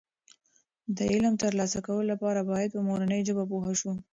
د علم د ترلاسه کولو لپاره باید په مورنۍ ژبه پوه شو.